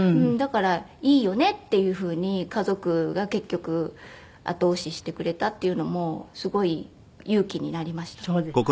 だからいいよねっていうふうに家族が結局後押ししてくれたっていうのもすごい勇気になりました。